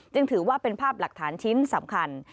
ถือว่าเป็นภาพหลักฐานชิ้นสำคัญ